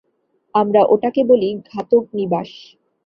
আমরা ওটাকে বলি, ঘাতক নিবাস।